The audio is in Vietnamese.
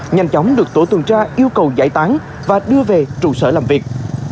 nhanh chóng được tổ tuần tra yêu cầu giải tán và đưa về trụ sở làm việc